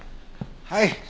はい。